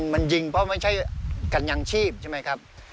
มันยิงเพราะไม่ใช่กัญยังชีพใช่ไหมครับ